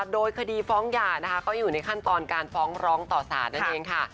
โดยคดีฟ้องหย่านะคะก็อยู่ในขั้นตอนการฟ้องร้องต่อสารนั่นเองค่ะ